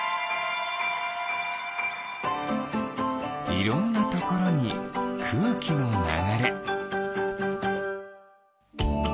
いろんなところにくうきのながれ。